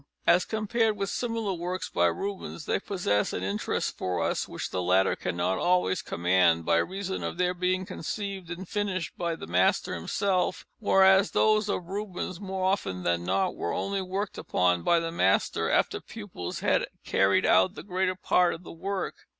As compared with similar works by Rubens they possess an interest for us which the latter cannot always command, by reason of their being conceived and finished by the master himself, whereas those of Rubens, more often than not, were only worked upon by the master after pupils had carried out the greater part of the work.